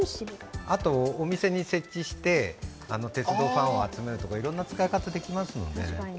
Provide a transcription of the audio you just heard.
あとお店に設置して、鉄道ファンを集めるとかいろんな使い方ができますので。